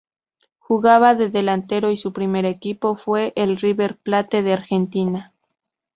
Jugaba de delantero y su primer equipo fue el River Plate de Argentina.